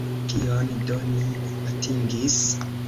Kion do ni atingis?